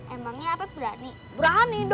emangnya apep berani